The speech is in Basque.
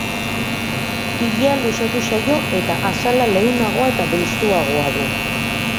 Ilea luzatu zaio eta azala leunagoa eta belztuagoa du.